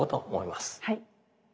はい。